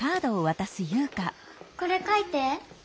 これ書いて。